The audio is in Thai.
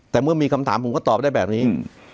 แต่เมื่อมีคำถามผมก็ตอบได้แบบนี้